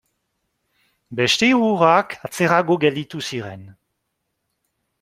Beste hirurak atzerago gelditu ziren.